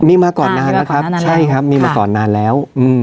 มีมาก่อนหน้านั้นครับใช่ครับมีมาก่อนหน้านั้นแล้ว